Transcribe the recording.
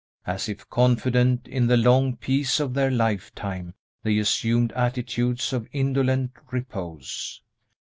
As if confident in the long peace of their lifetime, they assumed attitudes of indolent repose.